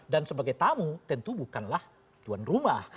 dan sebagai tamu tentu bukanlah tuan rumah